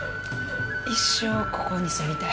一生ここに住みたい。